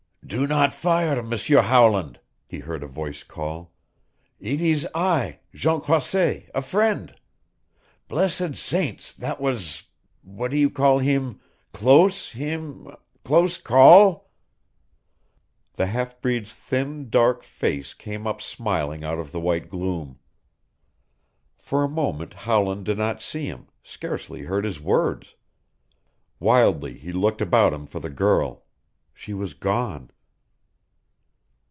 "Do not fire, M'seur Howland," he heard a voice call. "It ees I Jean Croisset, a friend! Blessed Saints, that was what you call heem? close heem? close call?" The half breed's thin dark face came up smiling out of the white gloom. For a moment Howland did not see him, scarcely heard his words. Wildly he looked about him for the girl. She was gone.